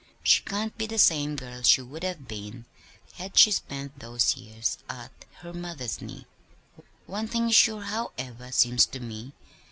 She can't be the same girl she would have been had she spent those years at her mother's knee. One thing is sure, however, seems to me.